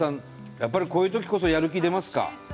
やっぱりこういうときこそやる気出ますか？